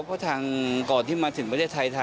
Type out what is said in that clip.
เพราะทางก่อนที่มาถึงประเทศไทย